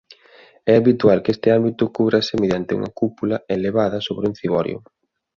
É habitual que este ámbito cúbrase mediante unha cúpula elevada sobre un ciborio.